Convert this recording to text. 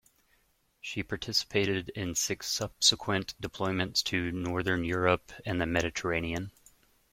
She participated in six subsequent deployments to Northern Europe and the Mediterranean.